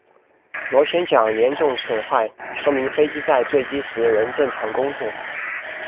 螺旋桨严重损坏说明飞机在坠机时仍正常工作。